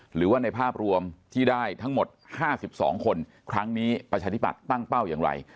หรือว่าในภาพรวมที่ได้ทั้งหมด๕๒คนครั้งนี้ประชาธิบัติตั้งเป้าอย่างไร